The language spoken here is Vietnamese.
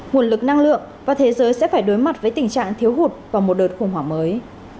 nguồn lực năng lượng và thế giới sẽ phải đối mặt với tình trạng thiếu hụt vào một đợt khủng hoảng mới